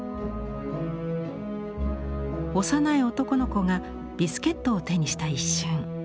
幼い男の子がビスケットを手にした一瞬。